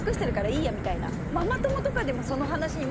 ママ友とかでもその話に。